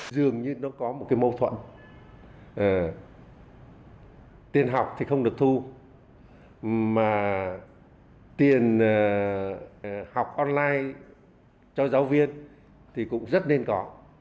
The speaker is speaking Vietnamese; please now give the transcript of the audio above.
dường như nó có một cái mâu thuận tiền học thì không được thu mà tiền học online cho giáo viên thì cũng rất nên có